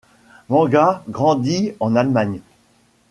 Menga grandit en Allemagne.